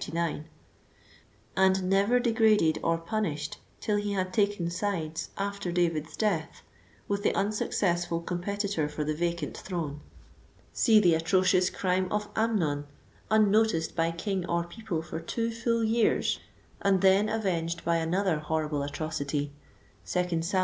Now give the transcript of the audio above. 39,) and never degraded or punished till he had taken sides, after David's death, with the unsuccessful competitor for the vacant throne. See the atrocious crime of Amnon, unnoticed by king or people for two full years, and then avenged by another horrible atrocity. (2 Sam.